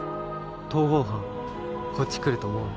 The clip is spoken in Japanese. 逃亡犯こっち来ると思う？